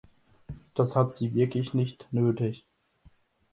Das hat sie wirklich nicht nötig.